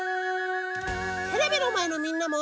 テレビのまえのみんなも。